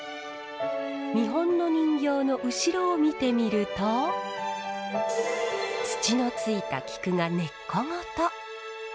見本の人形の後ろを見てみると土のついた菊が根っこごと。